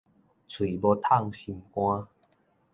喙無迵心肝